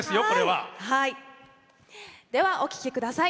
ではお聴きください。